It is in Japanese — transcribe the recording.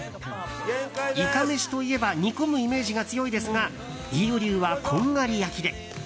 イカめしといえば煮込むイメージが強いですが飯尾流はこんがり焼きで。